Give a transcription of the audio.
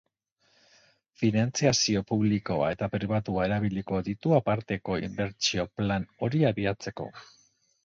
Finantziazio publikoa eta pribatua erabiliko ditu aparteko inbertsio plan hori abiatzeko.